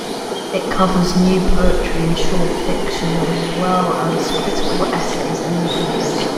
It covers new poetry and short fiction, as well as critical essays and reviews.